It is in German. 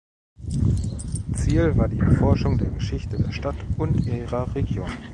Ziel war die Erforschung der Geschichte der Stadt und ihrer Region.